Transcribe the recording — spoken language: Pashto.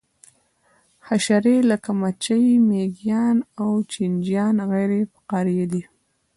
حشرې لکه مچۍ مېږیان او چینجیان غیر فقاریه دي